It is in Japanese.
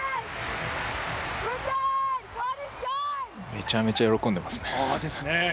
めちゃめちゃ喜んでますね。